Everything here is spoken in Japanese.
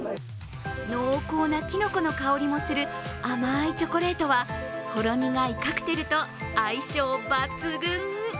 濃厚なきのこの香りもする甘いチョコレートはほろ苦いカクテルと相性抜群。